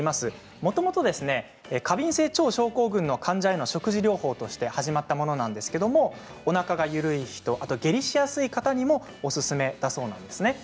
もともと過敏性腸症候群の患者への食事療法として始まったものなんですがおなかが緩い人、下痢をしやすい方にもおすすめだそうです。